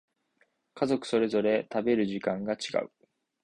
家族それぞれ食べる時間が違う